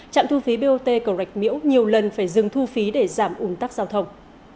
trạm thu phí bot cầu rạch miễu nhiều lần phải dừng thu phí để giảm ủng tắc giao thông